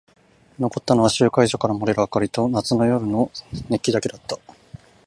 残ったのは集会所から漏れる明かりと夏の夜の熱気だけだった。